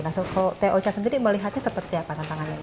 kalau t o c a sendiri melihatnya seperti apa tantangannya